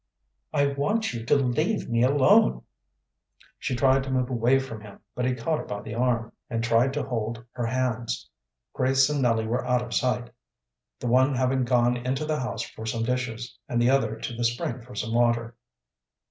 "I want you to leave me alone." She tried to move away from him, but he caught her by the arm and tried to hold her hands. Grace and Nellie were out of sight, the one having gone into the house for some dishes, and the other to the spring for some water.